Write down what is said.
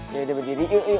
yaudah berdiri yuk yuk yuk